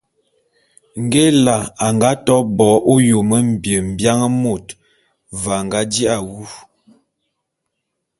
Nge Ela a to bo ôyôm mbiebian môt, ve a nga ji’a wu.